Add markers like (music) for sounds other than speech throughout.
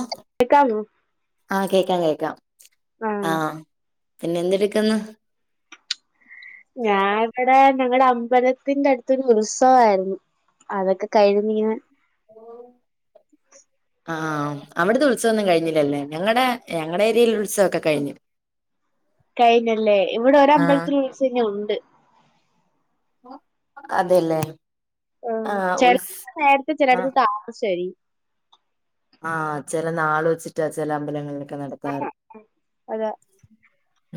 O കേക്കാമോ ആ കേക്കാം കേക്കാം ആ ആഹ് പിന്നെന്ത്ടുക്കുന്നു? ഞാവിടെ ഞങ്ങളടെ അമ്പലത്തിന്റെ അടുത്തൊരു ഉത്സവായിരുന്നു. അതൊക്കെ കഴിഞ്ഞിങ്ങനെ ഓ ആം അവിടത്തെ ഉത്സവം ഒന്നും കഴിഞ്ഞില്ലല്ലേ? ഞങ്ങടെ ഞങ്ങളേരിയയിൽ ഉത്സവം ഒക്കെ കഴിഞ്ഞു. കഴിഞ്ഞല്ലേ? ഇവിടെ ആഹ് ഒരമ്പലത്തില് ഉത്സവം ഇനിഉണ്ട്. അതെലേ? ആ ചെലേടത്ത് നേരത്തെ ആഹ് ചിലേടത്ത് താമസിച്ചായിരിക്കും. ആ ചെല നാള് വെച്ചിട്ടാ ചെല അമ്പലങ്ങളിലൊക്കെ നടത്താറ്. അതാ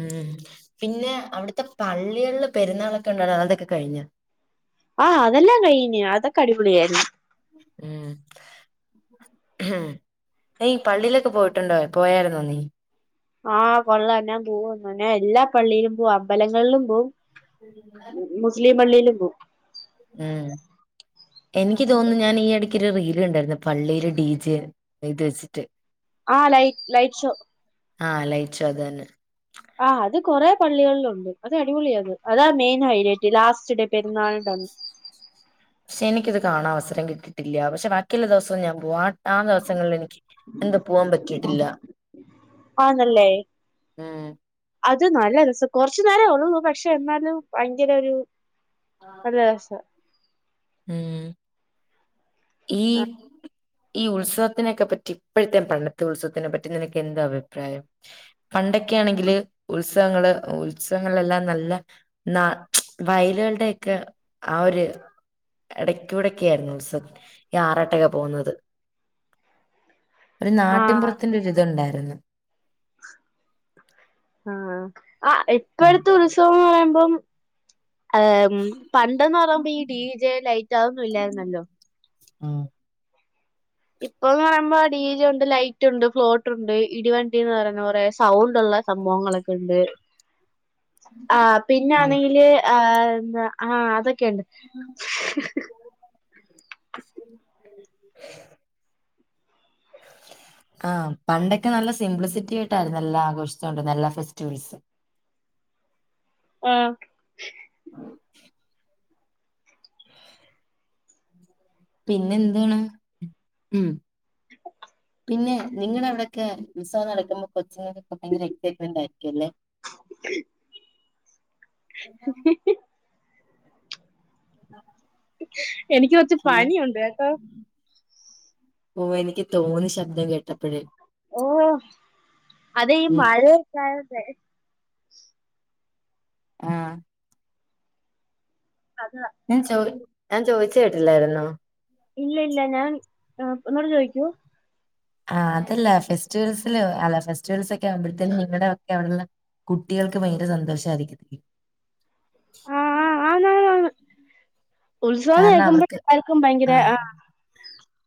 ഉം. പിന്നെ അവിടുത്തെ പള്ളികളില് പെരുന്നാളൊക്കെ ഉണ്ടാണതാ അതൊക്കെ കഴിഞ്ഞോ? ആ അതെല്ലാം കഴിഞ്ഞ്. അതൊക്കെ അടിപൊളിയായിരുന്നു. ഉം ഉം നീ പള്ളിലൊക്കെ പോയിട്ടുണ്ടോ? പോയായിരുന്നോ നീ? ആ കൊള്ളാം ഞാൻ പോകുവോന്നോ? എല്ലാ പള്ളിയിലും പോകും അമ്പലങ്ങളിലും പോവും മുസ്ലിം പള്ളിയിലും പോവും. ഏ എനിക്ക് തോന്നുന്നു ഞാൻ ഈ എടക്കൊരു റീല് കണ്ടായിരുന്നു പള്ളിയിലെ ഡി ജെ ഇത് വെച്ചിട്ട് ആ ലൈ ലൈറ്റ് ഷോ ആ ലൈറ്റ്ഷോ അതന്നെ ആ അത് കുറെേ പള്ളികളിലൊണ്ട് അത് അടിപൊളിയാത് അതാ മെയിൻ ഹൈലൈറ്റ് ലാസ്റ്റ് ഡേ പെരുന്നാളിൻ്റെന്ന് ക്ഷെ എനിക്കിത് കാണാൻ അവസരം കിട്ടിട്ടില്ല്യ പക്ഷെ ബാക്കിള്ള ദെവസോം ഞാൻ പോവാൺ ആ ദിവസങ്ങളിൽ എനിക്ക് എന്തൊ പോവാൻ പറ്റിട്ടില്ല ആണല്ലേ ഉം അത് നല്ല രസ കൊറച്ചു നേരെ ഉള്ളൂ പക്ഷെ എന്നാലും ഭയങ്കര ഒരു നല്ല രസാ ഉം ഈ ഈ ഉത്സവത്തിനെയൊക്കെ പറ്റി ഇപ്പോഴത്തെേ പണ്ടത്തെ ഉത്സവത്തിനെപ്പറ്റി നിനക്ക് എന്താ അഭിപ്രായം പണ്ടൊക്കെ ആണെങ്കില് ഉത്സവങ്ങള് ഉത്സവങ്ങളെല്ലാം നല്ല ന്നാ വയലുകളുടെയൊക്കെ ആ ഒര് എടക്കൂടൊക്കായിരുന്നു ഉത്സ ഈ ആറാട്ടൊക്കെ പോകുന്നത് ഒരു ആഹ് നാട്ടിൻപുറത്തിന്റെ ഒരിതുണ്ടാരുന്നു ആ ആ ഉം ഇപ്പഴത്തെ ഉത്സവം എന്ന് പറയുമ്പം ഏമ് പണ്ട്ന്ന് പറയുമ്പോ ഈ ഡി ജെ ലൈറ്റ് അത് ഒന്നും ഇല്ലായിരുന്നല്ലോ ആ ഇപ്പോന്ന് പറയുമ്പൊ ടി ജെ ഉണ്ട് ലൈ ട്ടുണ്ട് ബോട്ടുണ്ട് ഇടിവണ്ടിന്ന് പറയുന്ന കുറെ സൗണ്ട് ഉള്ള സംഭവങ്ങളൊക്കെ ഉണ്ട് ആഹ് ആഹ് പിന്നൊന്നെങ്കില് ആഹ് എന്താ ആഹ് അതൊക്കെ ഉണ്ട് (inaudible) (inaudible) ആഹ് പണ്ടൊക്കെ നല്ല സിംപ്ലിസിറ്റി ആയിട്ടായിരുന്നു എല്ലാ ആഘോഷിച്ചു കൊണ്ടു ഇരുന്ന എല്ലാ ഫെസ്റ്റിവൽസും ആഹ് ആ (unintelligible) (inaudible) പിന്നെ എന്താണ് ഉം ഇപ്പ (inaudible) പിന്നെ നിങ്ങടെ അവിടെയൊക്കെ ഉത്സവം നടക്കുമ്പോ കൊച്ചുങ്ങൾകൊക്കെ ഭയങ്കര എക്സൈറ്റ് മെൻ്റായിരിക്കും അല്ലേ (inaudible) ആ എനിക്ക് കൊറച്ച് പനിയുണ്ട് കേട്ടോ ഓ എനിക്ക് തോന്നി ശബ്ദം കേട്ടപ്പോഴേ ഓ അതെ ഈ ഉം മഴയൊക്കെ ആയോണ്ടേ ആഹ് അതാ ഞാൻ ചോയ് ഞാൻ ചോദിച്ച കേട്ടില്ലായിരുന്നോ ഇല്ല ഇല്ല ഞാൻ ഒന്നൂടെ ചോദിക്കൂ ആഹ് അതല്ല ഫെസ്റ്റിവൽസില് അല്ല ഫെസ്റ്റിവൽസ് ഒക്കെ ആവുമ്പോഴത്തേക്കും നിങ്ങളടെ ഒക്കെ അവിടുന്ന് കുട്ടികൾക്ക് ഭയങ്കര സന്തോഷമായിരിക്കും ആണ് ആണ് ആണ് ഉത്സവം എന്നു കാരണം കേൾക്കുമ്പോൾ അവർക്ക് എല്ലാർക്കും ഭയങ്കര ആ ആഹ്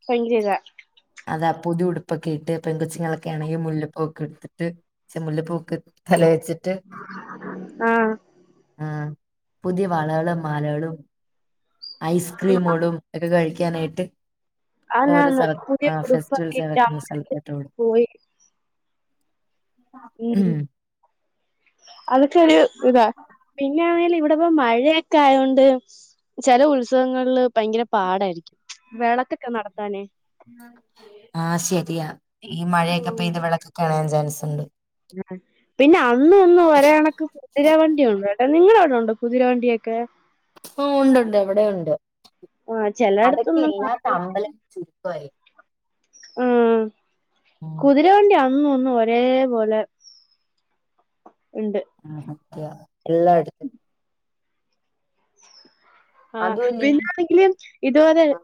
ഭയങ്കര ഇതാ അതാ പുതിയ ഉടുപ്പൊക്കെ ഇട്ട് പെൺ കൊച്ചുങ്ങളൊക്കെ ആണങ്കിൽ മുല്ലപ്പൂ ഒക്കെ എടുത്തിട്ട് ചെ മുല്ലപ്പൂ ഒക്കെ തലേൽ ച്ചിട്ട് ആഹ് ആഹ് പുതിയ വളകളും മാലകളും ഐസ്ക്രീമുകളും ഒക്കെ കഴിക്കാനായിട്ട് ഓരോ അതാണ് സ്ഥല പുതിയ ആഹ് ഉടുപ്പൊക്കെ ഫെസ്റ്റിവൽസ് ഇട്ട് അങ്ങ് നടക്കുന്ന സ്ഥലത്തോട്ട് ഓടും പോയി ഉം അതൊക്കെ ഒരു ഇതാ പിന്നൊണെങ്കി ഇവിടെ ഇപ്പോ മഴയൊക്കെ ആയതൊണ്ട് ചില ഉത്സവങ്ങളില് ഭയങ്കര പാടായിരിക്കും വിളക്കൊക്കെ നടത്താനേ ആഹ് ശരിയാ ഈ മഴയൊക്കെ പെയ്ത് വിളക്കൊക്കെ അണയാൻ ചാൻസ്ണ്ട് ആ പിന്നെ അന്നും ഇന്നും ഒരെ കണക്ക് കുതിര വണ്ടിയുണ്ടോ കേട്ടാ നിങ്ങളവിടെ ഉണ്ടോ കുതിര വണ്ടിയൊക്കെ ഓ ഉണ്ട്ണ്ട് ഇവിടെ ഉണ്ട് ആഹ് അതൊക്കെ ചെലയിടത്തൊന്നും ഇല്ലാത്ത അമ്പലം ചുരുക്കമായി ആഹ് ഉം കുതിര വണ്ടിയ അന്നുമിന്നും ഒരേ പോലെ ഉണ്ട് ആ സത്യാ എല്ലായിടത്തും ആഹ് അതുമല്ല ഈ പിന്നൊണെങ്കില് ഇതുപോലെ ആ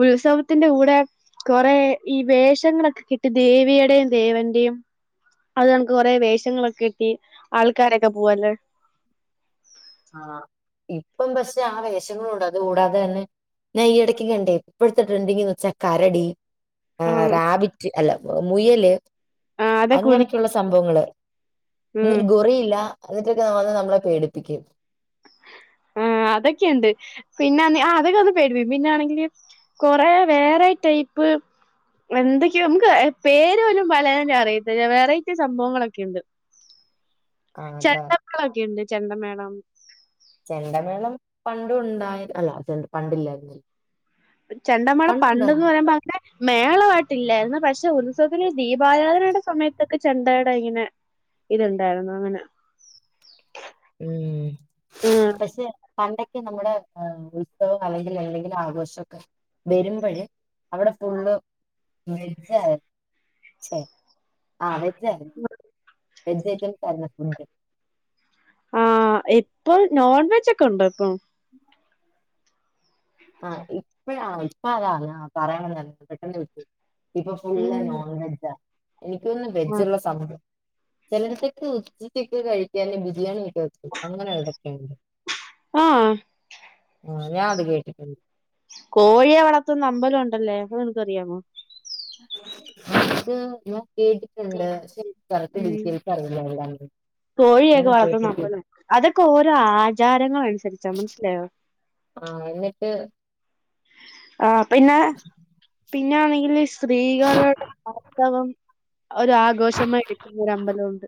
ഉത്സവത്തിന്റെ കൂടെ കൊറേ ഈ വേഷങ്ങളൊക്കെ കെട്ടി ദേവിയുടെയും ദേവന്റെയും അത് കണക്ക് കൊറെ വേഷങ്ങളൊക്കെ കെട്ടി ആൾക്കാരൊക്കെ പോവല്ലേ ആഹ് ഇപ്പം പക്ഷെ ആ വേഷങ്ങളൂണ്ട് അത് കൂടാതെ തന്നെ ഞ ഈ ഇടക്ക് കണ്ടേ ഇപ്പോഴത്തെ ട്രെൻ്റിങ്ങ്ന്ന് വെച്ചാ കരടി ആ ഉം റാബിറ്റ് അല്ല മുയല് ആ അതൊക്കെ ഉ അങ്ങനൊക്കെയുള്ള സംഭവങ്ങള് ഉം എന്നിട്ട് ഗോറിയില്ല എന്നിട്ടൊക്കെ വന്ന് നമ്മളെ പേടിപ്പിക്കും ആഹ് അതൊക്കെയുണ്ട് പിന്നെ അന്നേ അതൊക്കെ അത് ഒക്കെ വന്ന് പേടിപ്പിക്കു പിന്നൊണെങ്കില് കുറേ വേറെ ടൈപ്പ് എന്തൊക്കെയോ നമുക്ക് പേര് പോലും പലെതിനും അറിയത്തില്ല വെറൈറ്റി സംഭവങ്ങളൊക്കെ ഉണ്ട് ആഹ് അതാ ളൊക്കെ ഉണ്ട് ചെണ്ടമേളം ചെണ്ടമേളം പണ്ട ഉണ്ടായിരുന്നല്ലോ ചെ പണ്ടില്ലായിരുന്നില്ല ചെണ്ടമേളം പണ്ട് എന്ന് പണ്ടുണ്ടായിരുന്നു പറയുമ്പോ അങ്ങനെ മേളമായിട്ടില്ലായിരുന്നു പക്ഷെ ഉത്സവത്തിന് ദീപാരാധനയുടെ സമയത്തൊക്കെ ചെണ്ടെട ഇങ്ങനെ ഇത്ണ്ടായിരുന്നു അങ്ങനെ ഉം ആഹ് പക്ഷെ പണ്ടൊക്ക ണ്ടൊക്കെ നമ്മുടെ ഹ ഉത്സവം അല്ലെങ്കിൽ എന്തെങ്കിലും ആഘോഷമൊക്കെ വരുമ്പോഴ അവിടെ ഫുള്ള് വെജയിരുന്നു ആ വെജ ആ വെജ ഐറ്റംസ് ആയിരുന്നു ഫു ആഹ് ഇപ്പൊ നോൺ വെജ് ഒക്കെ ഉണ്ടോ ഇപ്പൊ ഉ (inaudible) ആഹ ഇപ്പഴാ ഇപ്പ അതാ പറയണെന്നല്ല പെട്ടെന്ന് വിട്ടു ഇപ്പൊ ഫുള് ഉം നോൺ വെജാ എനിക്കൊന്നുന്നു വെജ്ള്ള സമയം ചിലടുത്തൊക്കെ ഉച്ചക്ക് കഴിക്കാന് ബിരിയാണി കിട്ടും അങ്ങനെതൊക്കെുണ്ട് ആഹ് ആ ഞാൻ അത് കേട്ടിട്ടുണ്ട് കോഴിയെ വളർത്തുന്ന അമ്പലം ഉണ്ടല്ലേ അപ്പൊ നിനക്ക്റിയാമോ അ കേട്ടിട്ടുണ്ട് ശരി കറക്റ്റ് ഉം. ഡിറ്റയിൽസ് അറിയില്ല എല്ലാ കോഴിയൊക്കെ വളർത്തുന്ന അമ്പലം അതൊക്കെ ഓരോ ആചാരങ്ങള അനുസരിച്ചാ മനസ്സിലായോ ആ എന്നിട്ട് ആ പിന്നെ പിന്നൊണെങ്കിൽ സ്ത്രീകളുടെ ആർതവം ഒരു ആഘോഷമായി എടുക്കുന്നര അമ്പലമുണ്ട്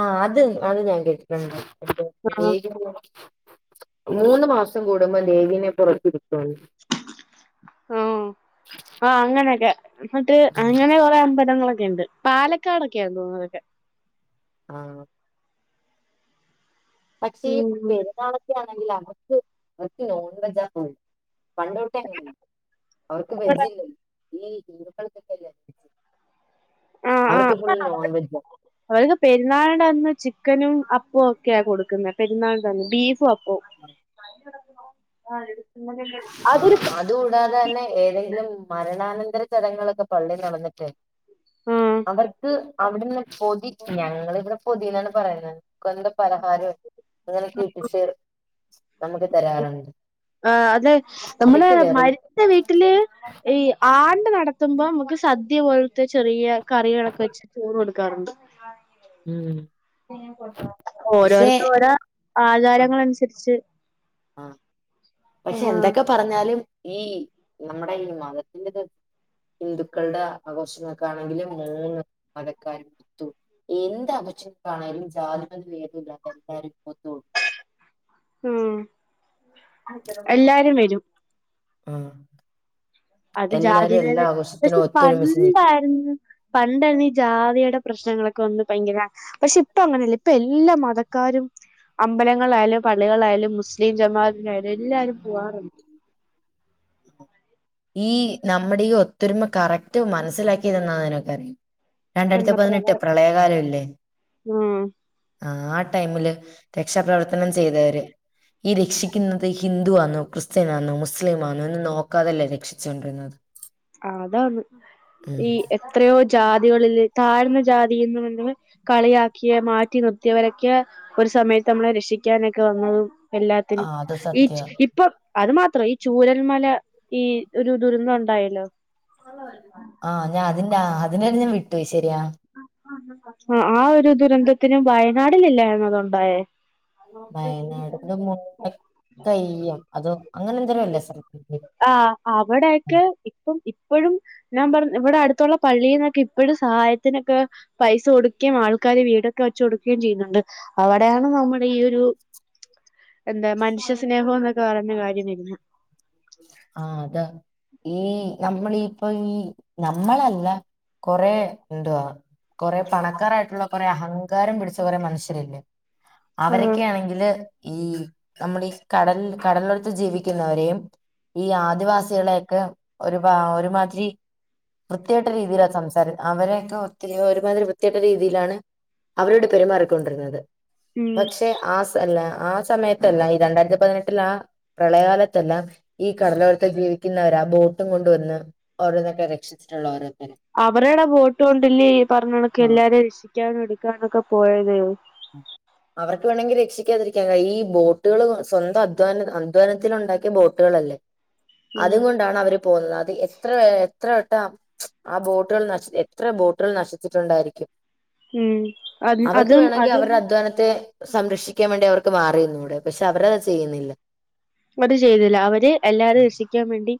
ആഹ അത് അത് ഞാൻ കേട്ടിട്ടണ്ട് ആഹ് മൂന്ന് മാസം കൂടുമ്പോം ദേവീനെ പുറതിരുത്തുമെന്നു ആഹ് അങ്ങനൊക്കെ എന്നിട്ട് അങ്ങനെ കുറെ അമ്പലങ്ങളൊക്കെ ഉണ്ട് പാലക്കാടൊക്കെയാണ് തോന്നതൊക്കെ ആഹ് പക്ഷേ ഈ ഉം പെരുന്നാളക്കെ ആണെങ്കിൽ അവർക്ക് അവർക്ക് നോൺ വെജാ പോകും പണ്ടോട്ട അങ്ങന അവർക്ക് ഇവിടെ വെജില്ലല്ലോ ക്കളക്കക്ക ആഹ് അവർക്ക് ഫ ആഹ് നോൺവെജ (unintelligible) അവർക്ക് പെരുന്നാളിന്റെ അന്ന് ചിക്കനും അപ്പവും ഒക്കെയ കൊടുക്കുന്നെ പെരുന്നാളിന്റെ അന്ന് ബീഫും അപ്പ ആഹ് അതൊരു ആഹ് അതുകൂടാതെ തന്നെ ഏതെങ്കിലും മരണാനന്തര ചടങ്ങുകളൊക്കെ പള്ളി നടന്നിട്ട് ആഹ് അവർക്ക് അവിടെന്ന്ള്ള പൊതി ഞങ്ങള് ഇവിടെ പൊതിന്നാണ് പറയുന്നെ ക്കൊന്ത പലഹാരം അങ്ങനെ ഇട്ടിച്ച് നമുക്ക് തരാറുണ്ട്. ആഹ് അത് നമ്മള് അതൊക്കെ വെറൈ മരി ച്ച വീട്ടില് ഈ ആണ്ട് നടത്തുമ്പോ നമുക്ക് സദ്യ പോലത്തെ ചെറിയ കറികളൊക്കെ വെച്ച് ചോറ് കൊടുക്കാറുണ്ട്. ഉം പക്ഷെ ഓരോരുത്ത ഓരോ ആഹ് ആചാരങ്ങളനുസരിച്ച് ആഹ് പക്ഷെ എന്തൊക്കെ പറഞ്ഞാലും ഈ നമ്മുടെ ഈ മതത്തിന്റെത് ഹിന്ദുക്കളുടെ ആഘോഷം ഒക്കൊണെങ്കിൽ മൂന്ന് മതക്കാരും ത്തു എന്ത് ആഘോഷങ്ങളാണേലും ജാതി മത ബേദമില്ലാതെ എല്ലാരും വന്നോളും ഉം എല്ലാരും വരും ആഹ് അത് എല്ലാരും എല്ലാ ജാതിടേണ് പക്ഷെ ആഘോഷത്തിനും ഒത്തൊരുമിച്ച് നിൽക്കും പണ്ടായിരുന്ന് പണ്ടേര്ന്നു ഈ ജാതിയുടെ പ്രശ്നങ്ങളൊക്കെ ഒന്ന് ഭയങ്കര പക്ഷെ ഇപ്പൊ അങ്ങനെയല്ല ഇപ്പൊ എല്ലാ മതക്കാരും അമ്പലങ്ങളിലായാലും പള്ളികളിലായാലും മുസ്ലിം ജമാത്തിനായാലും എല്ലാരും പോകാറുണ്ട് ഈ നമ്മടെ ഈ ഒത്തൊരുമ കറക്റ്റ് മനസ്സിലാക്കിയതെന്നാന്ന് നിനക്കറിയൊ രണ്ടായിരത്തി എന്ന പതിനെട്ട് പ്രളയ പ്രളയകാലവില്ലേ ഉം ആഹ് ടൈമില് രക്ഷാപ്രവർത്തനം ചെയ്തവര് ഈ രക്ഷിക്ക്ന്നത് ഹിന്ദു ആന്നോ ക്രിസ്ത്യനാന്നോ മുസ്ലിമാന്നോ എന്ന് നോക്കാതെ എല്ലേ ര ക്ഷിച്ചോണ്ടിര്ന്നത് ആഹ് അതാന്ന് ഈ എത്രയോ ജാതികളില് താഴ്ന്ന ജാതീന്ന് പറഞ്ഞ്ക്ണ് കളിയാക്കിയെ മാറ്റി നിർത്തിയവരെക്കെ ഒര് സമയത്ത് നമ്മളെ രക്ഷിക്കാനെക്കെ വന്നു ആ എല്ലാത്തിനും അത് ഈ സത്യ ഇപ്പൊ അത് മാത്രം ഈ ചൂരൽ മല ഈ ഒരു ദുരന്തം ഉണ്ടായല്ലോ (unintelligible) ആഹ് ഞാ അതിന്റാ അതിന്റെ കാര്യം ഞാൻ വിട്ടുപോയി ശെരിയാ (unintelligible) ആഹ് ആഹ്ഒരു ദുരന്തത്തിനും വയനാടിലെല്ലായിരുന്നോ അതുണ്ടായേ വയനാടിന്റെ മുട്ട കയ്യും അതോ അങ്ങനെ എന്താെരോ അല്ലേ സ്ഥലത്തിന്റെ ആഹ് അവടെയെക്കെ ഇപ്പം ഇപ്പഴും ഞാൻ പറഞ്ഞ് ഇവടെ അട്ത്തുള്ള പള്ളീന്നൊക്കെ ഇപ്പഴും സഹായത്തിനൊക്കെ പൈസ കൊടുക്കേം ആൾക്കാര് വീടൊക്കെ വച്ച് കൊടുക്കയും ചെയ്യുന്നുണ്ട് അവടെയാണ് നമ്മുടെ ഈ ഒരു എന്തെ മനുഷ്യ സ്നേഹം എന്നൊക്കെ പറഞ്ഞ കാര്യം വെര്ന്ന ആഹ് അതാ ഈ നമ്മളീപ്പൊ ഈ നമ്മളെല്ല കൊറേ ഇണ്ടുഅവ കാെറെ പണക്കാരായിട്ടുള്ള കൊറെ അഹങ്കാരം പിടിച്ച കൊറെ മനുഷ്യരില്ലേ ആഹ് അവരെക്കെയാണെങ്കില് ഈ നമ്മളീ കടൽ കടലോരത്ത് ജീവിക്ക്ന്നവരെയും ഈ ആദിവാസികളെ എക്കെ ഒരു പാ ഒരുമാത് രി വൃത്തികെട്ട രീതിയിലാത് സംസാരം അവരെയെക്ക ഒത്തിരി ഒരുമാതിരി വൃത്തികെട്ട രീതിയിലാണ് അവരോട് പെരുമാറിക്കൊണ്ടിര്ന്നത് ഉം പക്ഷെ ആ സ് ത്ത് അല്ല ആഹ് സമയത്തല്ല ഈ രണ്ടായിരത്തി പതിനെട്ടില് ആഹ് പ്രളയകാലത്തെല്ലാ ഈ കടലോരത്ത് ജീവിക്ക്ന്നവരാ ബോട്ടും കൊണ്ടുവെന്ന് ഓരോന്നെക്കെ രക്ഷിച്ചിട്ട്ള്ള ഓരോര്ത്തര് അവരെടെ ബോട്ട് കൊണ്ട് ഇല്ലേ ഈ പറഞ്ഞ കണക്ക് ആഹ് എല്ലാരേം രക്ഷിക്കാനും എട്ക്കാനും ഒക്കെ പോയത് ആഹ് അവർക്ക് വേണെങ്കി രക്ഷിക്കാതിരിക്കാൻ കഴിയുംഈ ബോട്ട്കള് സ്വന്തം അധ്വാന അധ്വാനത്തിൽ ഉണ്ടാക്കിയ ബോ ട്ട്കളല്ലേ ഉം അതും കൊണ്ടാണ് അവര് പോന്നനത് അത് എത്ര എത്ര വട്ടം ആഹ് ബോട്ടുകൾ നശി എത്ര ബോട്ടുകൾ നശിച്ചിട്ടുണ്ടായിരിക്കും ഉം അത് അവർക്ക് അതും വേണെങ്കി അതും അവര്ടെ അധ്വാനത്തെ സംരക്ഷിക്കാൻ വേണ്ടി അവർക്ക് മാറി നിന്നൂടെ പക്ഷെ അവരത് ചെയ്യ്ന്നില്ല അത് ചെയ്തില്ല അവര് എല്ലാരും രക്ഷിക്കാൻ വേണ്ടി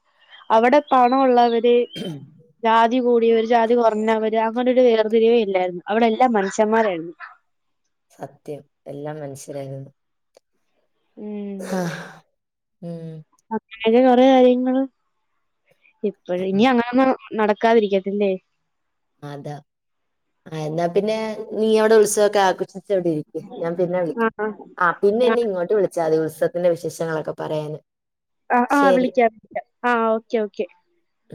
അവടെ പണൊള്ളവര് (unintelligible) ജാതി കൂടിയവര് ഒര്ജാതി കാെറഞ്ഞവര് അങ്ങന ഒര് വേർതിരിവേ ഇല്ലായിരുന്നു അവടെ എല്ലാം മനുഷ്യന്മാരായിരുന്നു സത്യം എല്ലാം മനുഷ്യരായിരുന്നു ഉം ആഹ് ഉം അ അങ്ങനെ കൊറേ കാര്യങ്ങള് ഇപ്പഴ് ആഹ് ഇനി അങ്ങനൊന്നും നടക്കാതിരിക്കട്ടെല്ലേ അതാ ആഹ് എന്നാ പിന്നെ നീ അവടെ ഉത്സവൊക്കെ ആഘോ ഷിച്ച് അവിടെ ഇരിക്ക് ഞാൻ പിന്നെ വിളിക്കാം ആഹ് ആഹ് പിന്നെ എന്നെ ഇങ്ങോട്ട് വിളി ച്ചാതി ഉത്സവത്തിന്റെ വിശേഷങ്ങളൊക്കെ പറയാന് ആഹ് ആഹ് ശരി വിളിക്കാം വിളിക്കാം ആഹ് ഓക്കെ ഓക്കെ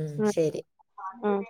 ഉം ശരി ആഹ് ആഹ്